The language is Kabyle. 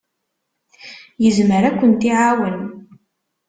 Yezmer ad kent-iɛawen.